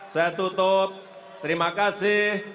saya tutup terima kasih